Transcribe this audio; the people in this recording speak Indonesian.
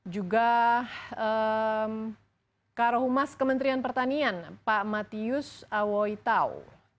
juga karahumas kementerian pertanian pak matius awoytau